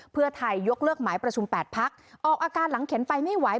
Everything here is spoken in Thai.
เพื่อไทยยกเลิกหมายประชุม๘พักออกอาการหลังเข็นไปไม่ไหว